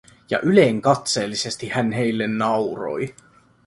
Ja ylenkatseellisesti hän heille nauroi.